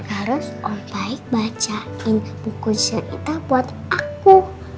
harus om baik bacain buku cerita buat aku